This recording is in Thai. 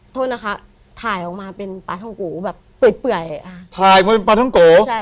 โทษนะคะถ่ายออกมาเป็นปลาท่องโกแบบเปื่อยอ่าถ่ายมาเป็นปลาท้องโกใช่